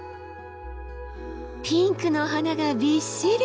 ピンクのお花がびっしり！